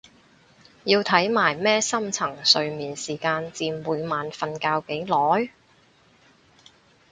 要睇埋咩深層睡眠時間佔每晚瞓覺幾耐？